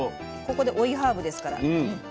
ここで追いハーブですから。